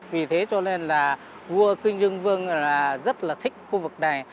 vì thế cho nên là vua kinh dương vương rất là thích khu vực này